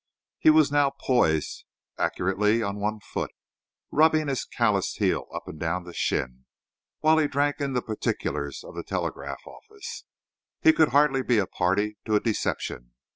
He was now poised accurately on one foot, rubbing his calloused heel up and down his shin, while he drank in the particulars of the telegraph office. He could hardly be a party to a deception.